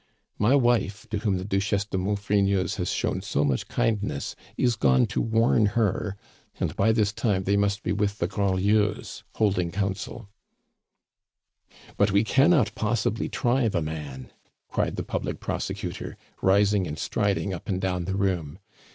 My wife, to whom the Duchesse de Maufrigneuse has shown so much kindness, is gone to warn her, and by this time they must be with the Grandlieus holding council." "But we cannot possibly try the man!" cried the public prosecutor, rising and striding up and down the room.